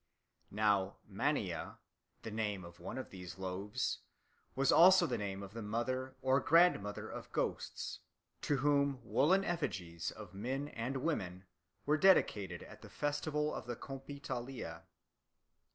Now, Mania, the name of one of these loaves, was also the name of the Mother or Grandmother of Ghosts, to whom woollen effigies of men and women were dedicated at the festival of the Compitalia.